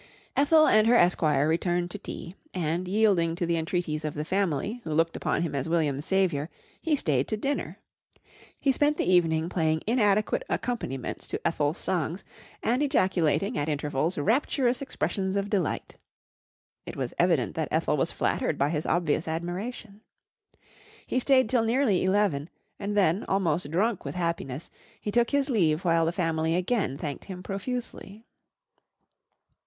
Ethel and her esquire returned to tea, and, yielding to the entreaties of the family, who looked upon him as William's saviour, he stayed to dinner. He spent the evening playing inadequate accompaniments to Ethel's songs and ejaculating at intervals rapturous expressions of delight. It was evident that Ethel was flattered by his obvious admiration. He stayed till nearly eleven, and then, almost drunk with happiness, he took his leave while the family again thanked him profusely.